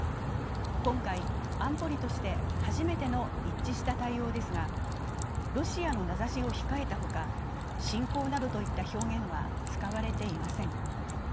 今回、安保理として初めての一致した対応ですがロシアの名指しを控えたほか、侵攻などといった表現は使われていません。